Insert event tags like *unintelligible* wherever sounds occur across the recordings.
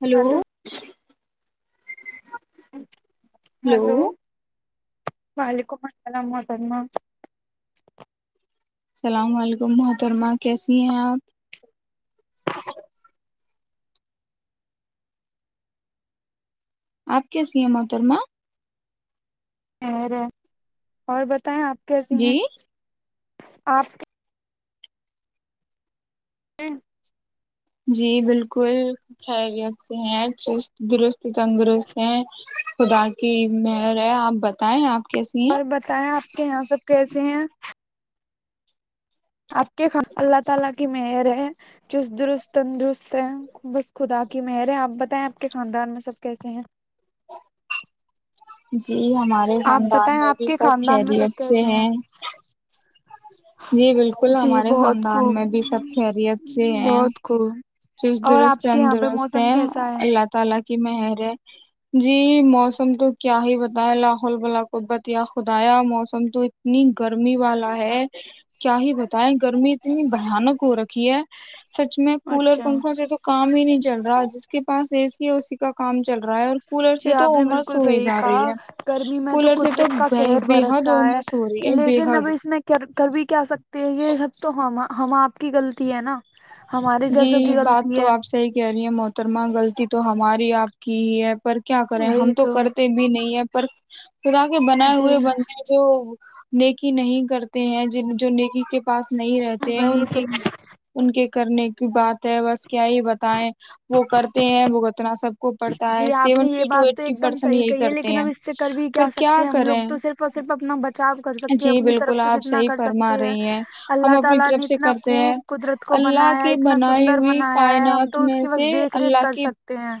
hello hello وعلیکم السلام مترمہ اللام علیکم محترما کیسی ہیں آپ اپ کیسی ہیں محترمہ اور بتائیں آپ کیسی ہیں آپ کے ہ *inaudible* جی بالکل خیریت سے ہیں چست درست تندرست ہیں خدا کی مہر ہے آپ بتائیں آپ اور بتائیں آپ کہ یہاں سب کیسے ہیں اپ کے اللہ تعالی کی مہر ہے چست درست تندرست ہے بس خدا کی مہر ہے آپ بتائیں آپ کے خاندان میں سب کیسے ہیں جی ہمارے خاندان میں بھی سب خیریت سے ہیں جی بالکل ہمارے خاندان میں بھی سب خیریت سے ہیں چسترست چندرست ہے اللہ تعالی اللہ کی مر ہے جی موسم تو کیا ہی بتیں الح ال ب قبت خدایا موسم تو اتنی گرمی والا ہے کیا ہی بتائے گرمی اتنی بانک ہو رکھی ہے سچ میں کولر پنکھا سے تو کام ہی نہیں چل رہا جس کے پاس اے سی او سی کا کام چل رہا ہے اور جی آپ نے بالکل صحیح کہا گرمی میں تو خود کا کہہر برس رہا ہے لیکن اب اس میں کربھی کیا سک پ یہ سب تو ہواما ہم آپ کی غلطی ہے نا جی بات تو آپ صحی کہہ رہی ہیں محترما غلطی تو ہمار آپ کی ہی ہے پر کیا کریں ہم تو کرتے بھی نہیں ہے اور پرا کے بنائے ہوئے بندے جو نیکی نہیں کرتے ہیں ج جو نیکی کے پاس نہیں رہتے ہیں ان کی ان کے کرنے بات ہے بس کیا ہی بتائیں وہ کرتے ہیں وہ جی آپ نے یہ بات تو ایک دم صحیح کہی ہے لیکن اب اس سے کر بھی کیا سکتے ہیں ہم لوگ تو صرف اور صرف اپنا بچہ چاپ کر سکتے ہیں اپنی طرف سے جتنا کر سکتے ہیں اللہ تعالی نے اتنا خوب قدرت کو بنایا ہے اتنا سندر بنایا ہے ہم تو اس کی بس دیکھ ریکھ کر سکتے ہیں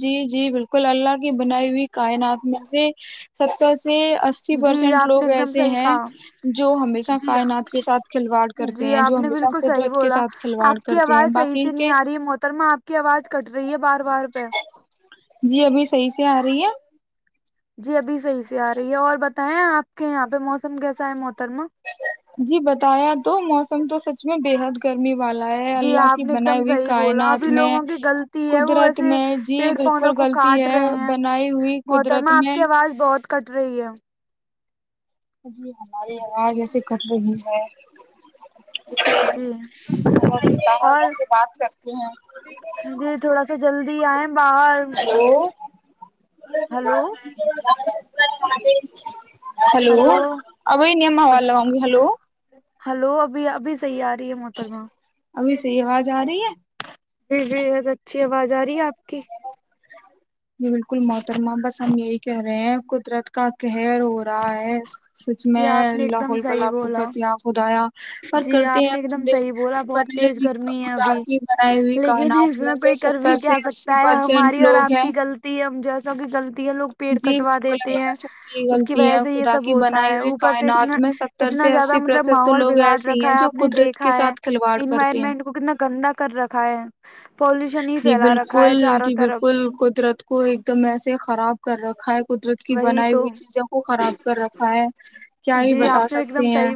جی جی بالکل اللہ کی بنائی ہوئی کائنات میں سے ستر سے اسی پرسینٹ لوگ ایسے جو ہمیشہ کائنات کے ساتھ کھلواڑ کرتے ہیں جو ہمیشہ قدرت کے ساتھ کھلواڑ کرتے ہیں باقی کے جی ابھی صحیح سے آ رہی ہے جی ابھی صح سے آ رہی ہے اور ب آپ کے یہاں پہ موسم کیسا ہے جی بتایا تو موسم تو سچ اس میں بے حد گرمی والا ہے اللہ کی بنائی ہوئی کائنات میں قدرت میں جی بالکل غلط ہے بنائی ہوئی قدرت میں کٹ رہی ہے جی ہماری آاز جیسے کٹ رہی ہے جی اور جی تھوڑا سا جلدی آئے باہر ہیلو *unintelligible* ہلیو ابھی نم آواز لگاؤں گی ہیلو ہیلو ابھی ابھی صحیح آ رہی ہے محترمہ جی جی بہت اچھی آواز آ رہی ہے آپ کی جی بالکل محترمہ بس ہم یہی کہہ رہے ہیں قدرت کا قہر ہو رہا ہے سچ میں لاحول ولا قوۃ یا خدایا پر کرتے ہیں بندے بنی ہوئی خدا کی بنائی ہوئی کائنات میں سے ستر سے اسی پرسینٹ لوگ ہیں غطی ہے ہم جیسوں کہ غلط لوگ پیڑ کٹوا دیتے ہیں اس کی وجہ سے یہ سب ہوتا ہے اوپر سے اتنا اتنا زیادہ مطلب ماحول لوگ ایسے ہی ہیں جو قدرت کے ساتھ کھلواڑ کرتے ہیں جی بالکل جی بالکل قدرت کو ایک دم ایسے خراب کر رکھا ہے قدرت کی بنائی ہوئی چیزوں کو خراب کر رکھا ہے کیا ہی بتا سکتے ہیں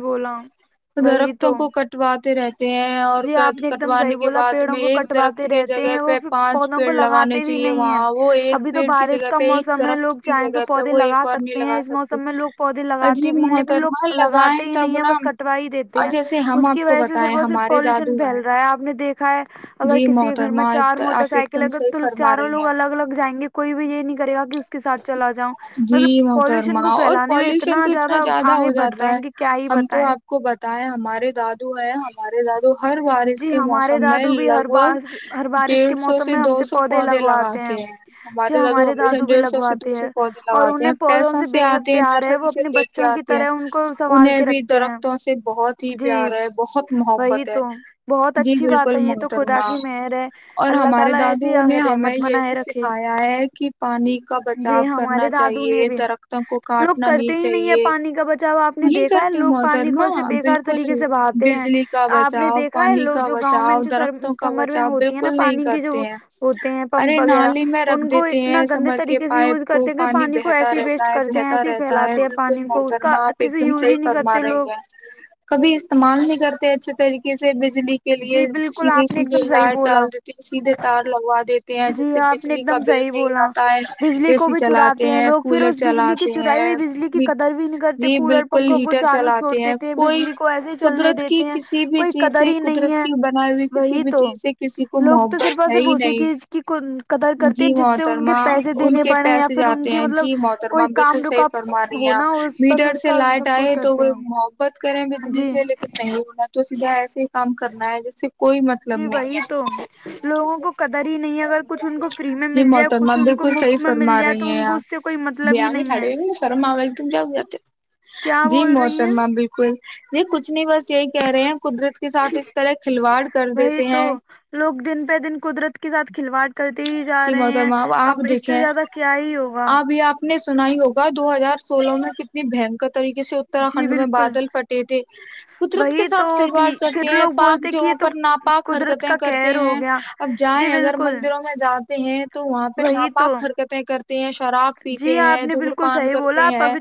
درختوں کو کٹوا *unintelligible* ہیں اور کٹوانے کے بعد میں ایک درخت کے جگہ پہ پانچ پیڑ لگانے چاہیے وہاں وہ ایک پیڑ کی جگہ پہ ایک اگر لوگ چاہیں تو پودے لگا سکتے ہیں اس موسم میں لوگ پودے لگاتے بھی ہیں لیکن لوگ لگاتے ہی نہیں ہے بس کٹوا ہی دیتے ہیں اس کی وجہ سے صرف اور صرف پالوشن پھیل رہا ہے آپ نے دیکھا ہے اگر کسی کے گھر میں چار موٹر سائیکل اگر تو چاروں لوگ الگ الگ جائیں گے کوئی بھی یہ نہیں کر جی محترمہ اور پالوشن تو اتنا زیادہ ہو جاتا ہے ہم تو آپ کو بتائیں ہمارے دادو ہیں ہمارے ارے دادو ہر بارش کے موسم میں لگ بگ ڈیڑھ سو سے دو سو پودے لگاتے ہیں ہمارے دادو ہم ڈیڑھ سو سے دو سو پودے لگاتے ہیں پیسوں سے آتے ہیں نرسری سے لے کے آتے ہیں انہیں بھی درختوں سے بہت ہی پیارا ہے بہت محبت ہے جی بالکل محترمہ اور ہمارے دادو نے ہمیں یہی سکھایا ہے کہ جی ہمارے دادو نے بھی لوگ کرتے ہی نہیں ہے پانی کا بچاؤ آپ نے دیکھا ہے لوگ پانی کو ایسے بے کار طریقے سے بہاتے آپ نے دیکھا ہے لوگ جو گاؤں میں جو سمر میں ہوتی ہے نا پانی کے جو ہوتے ہیں پمپ وغیرہ ان کو اتنا گندے کے پائپ کو پانی بہتا رہتا ہے بہتا رہتا ہے بالکل محترمہ آپ ایک دم صحیح فرما رہی ہیں کبھی استمال مانگ نہیں کرتے اچھے طریقے سے بجلی کے لیے سیدھے سیدھے لائٹ ڈال دیتے ہیں سیدھے تار لگوا دیتے ہیں جس سے بجلی کا بل نہیں آتا بجلی کو بھی چراتے ہیں لوگ پھر اس بجلی کی چرائی ہوئی بجلی کی قدر بھی نہیں کرتے کولر پنکھوں کو چالو چھوڑ دیتے ہیں بجلی کو ایسے چلنے دیتے ہیں کوئی قدر ہی نہیں ہے وہی تو لوگ تو صرف اور صرف اسی چیز کی قدر کرتے ہیں جس سے ان ان کے پیسے جاتے ہیں جی محترما بالکل صحیح فرما رہی ہیں آپ میٹر سے لائٹ آئے تو وہ محبت کر بجلی سے لیکن نہیں ہونا تو ب ایسے کام کرنا ہے جیسے جی وہی تو لوگوں کو قدر ہی نہیں اگر کچھ ان کو فری میں مل جائے ا بالکل صح فرما رہی ہیں یار ب کھڑی ہو شرم آ رہا تم کیا ہو جاتے جی موترما بالکل جی کچھ نہیں بس یہی کہہ رہے ہیں وہی تو لوگ دن پہ دن قدرت کے ساتھ کھلواڑ کرتے ہی جا رہے ہیں ا آپ دیکھے آپ بھی آپ نے سنائی ہوگا دو ہزار سولہ میں کتنی بھینک طریقے سے اتر کنڈ میں بادل پھٹے تھے قدرت کے ساتھ کھلواڑ کرتے ہیں پاک جگہوں پر ناپاک حرکتیں کرتے ہیں اب جائیں اگر مندروں میں جات ہیں تو وہاں پہ ناپاک حرکتیں کرتے ہیں شراب پیتے ہیں دھومر پان کرتے ہیں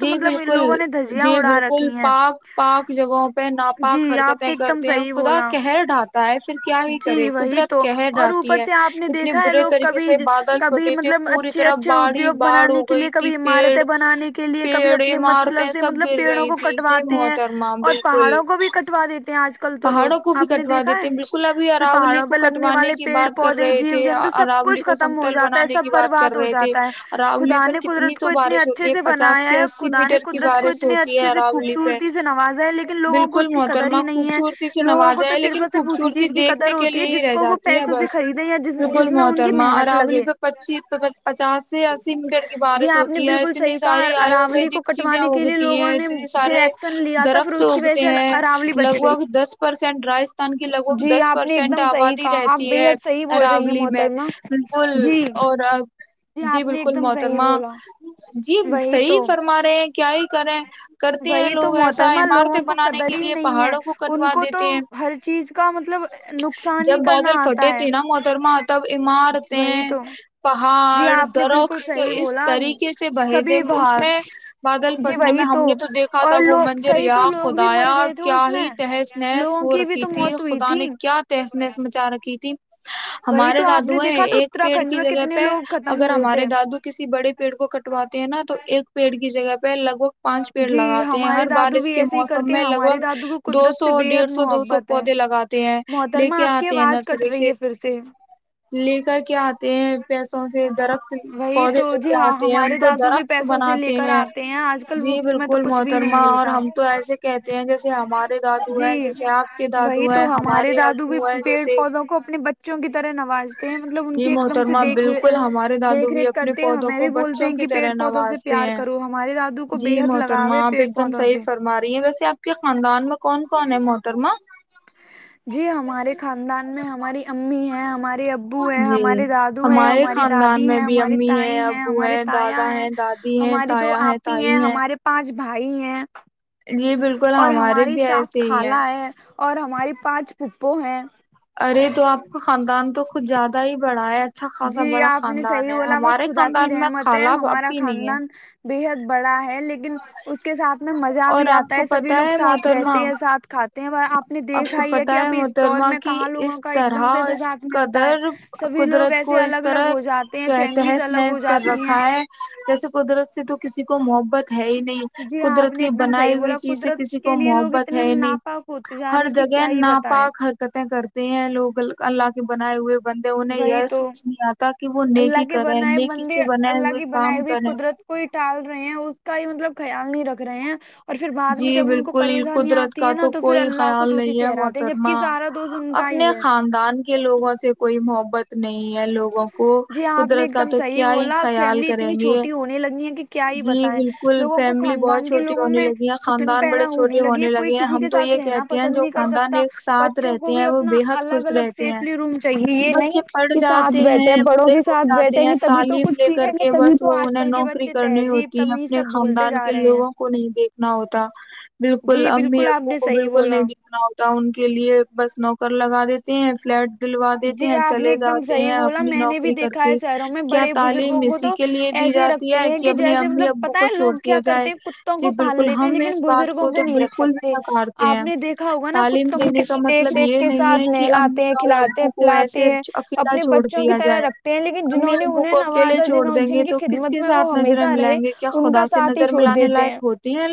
جی بالکل جی بالکل پاک پاک جگہوں پہ ناپاک حرکتیں کرتے ہیں خدا قہر ڈھال پھر کیا ہی کرے قدرت کہر رہاتی ہے کتنی لوگ کبھی کبھی مطلب اچھے اچھے ادیوگ بنانے کے لیے کبھی عمارتیں بنانے کے لیے کبھی اپنے مطلب سے مطلب پیڑوں کو کٹواتے ہیں اور پہاڑوں کو بھی کٹوا دیتے ہیں آج کل پہاڑوں کو بھی کٹوا دیتے ہیں بالکل پھر پہاڑوں پہ لگنے والے پیڑ پودے جیو جنتو سب کچھ ختم ہو جاتا ہے سب برباد ہو جاتا ہے خدا نے قدرت کو اتنے اچھے سے بنایا ہے خدا نے قدرت کو اتنے اچھے سے خوبصورتی سے نوازا ہے لیکن لوگوں کو اس کی قدر ہی نہیں خوبصورتی سے نوازا ہے لیکن خوبصورتی دیکھ سنے کے لیے ہی رہ جاتی ہے بس بالکل محترما اراولی پہ پچیس پچاس سے اسی میٹر کی بارش ہوتی ہے اتنی ساری آیورویدک چیزیں اگتی ہیں اتنی سارے درخت اگتے ہیں لگ بھگ دس پرسینٹ رجستھان کے لگ بھگ دس پرسینٹ آبادی رہتی ہے اراولی میں بالکل اور جی بالکل محترما جی صحی فرما رہے ہیں کیا ہی کریں کرتے ہیں لوگ ایسا عمارتیں بنانے کے لیے پہاڑوں کو کٹوا دیتے ہیں جب بادل پھٹے تھے نا محترما تب عمارتیں پہاڑ درخت اس طریقے سے بہتے اس میں بادل پھٹنے میں ہم نے تو دیکھ ا تھا وہ منج ریا خدایا کیا ہی تہس نس ہو رکھی تھی خدا نے کیا تحس نس مچا رکھی تھی ہمارے دادو ہے ایک پیڑ کی جگہ پہ اگر ہمارے دادو کسی بڑے پیڑ کو کٹواتے ہیں نا تو ایک پیڑ کی جگہ پہ پ لگ بھگ پانچ پیڑ لگاتے ہیں ہر بار اس کے موسم میں لگ بھگ دو سو ڈیڑھ سو دو سو پودے لگاتے ہیں لے کے آتے ہیں نرسری سے لے کر کے آتے ہیں پیسوں سے درخت پودے لے کے آتے ہیں ان کو درخت بناتے ہیں جی بالکل محترمہ اور ہم تو ایسے کہتے ہیں جیسے ہمارے دادو ہیں جیسے آپ کے دادو ہیں ہمارے ابو ہیں جیسے بچوں کی طرح نواز ہیں مطلب ان کی ایک دم سے دیکھ دادو بھی اپنے پودوں کو بچوں کی طرح نوازتے ہیں جی محترما آپ ایک دم صحیح فرما رہی ہیں ویسے آپ آ کے خاندان میں کون کون ہے موٹرما جی ہمارے خاندان میں ہماری امی ہیں ہماری ا ابو ہے ہمارے دادو ہے ہماری دادی ہیں ہمارے تائی ہیں ہمارے تایا ہیں ہمارے دو آپ ہی ہیں ہمارے پا آج بھائی ہیں جی بالکل ہمارے بھی ایسے ہی ہیں اور ہماری پانچ پپھو ہیں ارے تو آپ کا خاندان تو کچھ زیادہ ہی بڑھا ہے جی آپ نے صحیح بولا بس خدا کی رحمت ہے ہمارا خاندان بےحد بڑا ہے لیکن اس کے ساتھ میں مزہ بھی آتا ہے سبھی لوگ ساتھ رہتے ہیں ساتھ کھاتے تو ب آپ نے دیکھا ہی ہے کہ اب اس دور میں کہاں لوگوں کا ایک دم سے ایے ساتھ ملتا ہے سبھی لوگ ایسے اس طرح کہتے ہیں اس کر رکھا ہے جیسے قدرت سے تو کسی کو موت محبت ہے ہی نہیں قدرت کی بنائی ہوئی چیز سے کسی کو محبت ہے ہی نہیں ہر جگہ ناپاک حرکت کرتے ہیں لوگ اللہ کے بنائے ہوئے بندے انہیں یہ سوچ نہیں آتا کہ وہ نیکی کریں نیکی سے بنائے ہوئے کام کریں رہے ہیں اس کا ہی مطلب خیال نہیں رکھ رہے ہیں جی بالکل قدرت کا تو کوئی خیال نہیں ہے محترمہ اپنے خاندان کے لوگوں سے کوئی محبت نہیں ہے لگوں جی ہاں آپ نے ایک دم صحیح بولا ا فیملی اتنی چھوٹی ہونے لگی ہے کہ کیا ہی بتائےیں لوگوں کو خاندان کے لوگوں میں اٹھن پیدا ہونے لگی ہے کوئی کسی کے ساتھ رہنا پسند نہیں کر سکتا بچوں کو بھی اپنا الگ الگ سیفلی روم چاہیے یہ نہیں کہ ساتھ بیڈ جب بڑوں کے ساتھ بیٹھیں گے تبھی تو کچھ سیکھیں گے تبھی تو آج کل کے بچے تہذیب تمی سب بھولتے جا رہے ہیں ہوتا بالکل امی ابو کو بالکل نہیں دکھنا ہوتا تو ان کے لیے بس نوکر لگا دیتے ہیں فلیٹ دلوا دیتے ہیں چلے جاتے ہیں اپنی نوکری کر کے کیا تعلیم اسی کے لیے دی جاتی ہے کہ اپنی امی ابو کو چھوڑ دیا جائے جی بالکل بالکل ہم اس بات کو تو بالکل بھی نکارتے ہیں تعلیم دینے کا مطلب یہ نہیں ہے کہ امی اور *unintelligible* کھلاتے ہیں پلاتے ہیں اپنے بچوں کی طرح رکھتے ہیں لیکن جنہوں نے انہیں نوازا جنوں جن کی خدمت میں وہ ہمیشہ رہے ان کا ساتھ ہی چھوڑ دیتے ہیں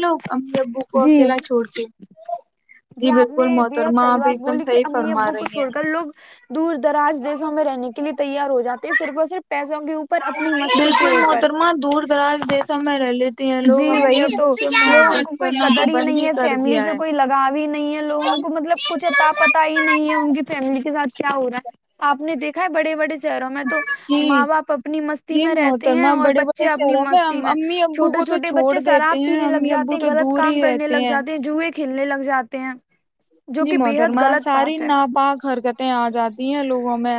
لوگ ا ابو کو اکیلا چھوڑ کے جی بالکل محترما اپ ایک دم صحیح فرما رہی ہیں لوگ دور دراز دیشوں میں رہنے کے لیے تیار ہو جاتے ہیں صرف اور صرف پیسوں کے اپر اپنی مستی کے اوپر جی وہی تو لوگوں کو کوئی قدر ہی نہیں ہے فیملی سے کوئی لگاؤ ہی نہیں ہے لوگوں کو مطلب کچھ اتا پت ہی نہیں ہے ان کی فیملی کے ساتھ کیا ہو رہا ہے تو آپ نے دیکھا ہے بڑے بڑے کہہ رہا ہوں میں تو ماں باپ اپنی مستی میں رہتے ہیں اور بچے اپنی مستی میں چھوٹے چھوٹے بچے شراب پینے لگ جاتے ہیں غلط کام کرنے لگ جاتے ہیں جوئے کے کھیلنے لگ جاتے ہیں جی موترم ساری ناپا ہرکت آ جاتی ہیں لوگوں میں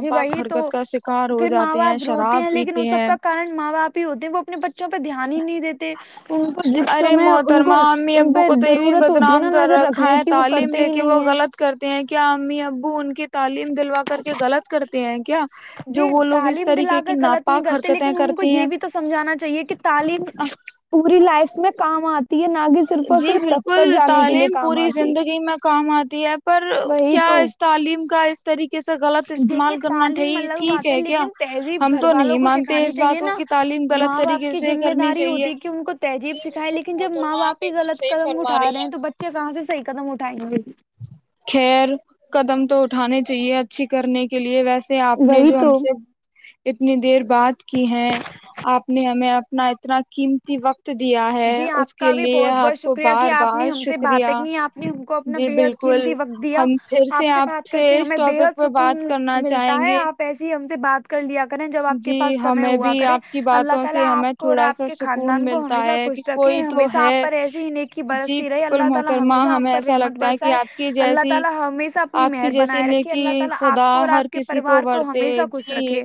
جی بھائی تو پھر ماں باپ روتے ہیں لیکن وہ سب کا کن ماں باپ ہی ہوتے ہیں وہ اپنے بچے بچوں پہ دھیان ہی نہیں دیتے ان کو جس سمے ان کو ان پہ ضرورت ہوتی ہے نا نظر رکھنے کی وہ کرتے ہی نہیں ہے تعلیم دلوا کر کے غلط کرتے ہیں کہ جی تعلیم دلا کر غلط نہیں کرتے لیکن ان کو یہ بھی تو سمجھانا چاہیے کہ تعلیم پوری لائف میں کام آتا جی بالکل تعلیم پوری زندگی میں کام آتی ہے پر کیا اس تعلیم کا اس طریقے سے غلط استعمال کرنا ٹھیک ہے کیا ہم تو نہیں مانتے اس بات کو کہ تعلیم غلط طریقے سے کرنی چاہیے جی بالکل محرم لط قدم اٹھا رہے ہیں تو بچے کہاں سے صح قدم اٹھائیں گے خیر قدم تو اٹھانے چاہیے اچھی کرنے کے لیے ویسے سے آپ نے جو ہم سے اتنی دیر بات کی ہے آپ نے ہمیں اپنا اتنا قیمتی وقت دیا ہے اس کے لیے آپ کو بار بار شکریہ نے بےحد قیمتی وقت دیا آپ سے بات کر کے ہمیں بےحد سکون ملتا ہے آپ ایسی ہم سے بات کر لیا تھا *inaudible* مشتقل ہمیشہ اپ پر ایسے ہی نیکی برستی رہی اللہ تعالی ہمیشہ اپ پر رحمت برسائے اللہ تعالی ہمیشہ اپنی مہر بنائے رکھے اللہ تعالی اپ کو اور اپ کے پروار کو ہمیشہ خوش رکھے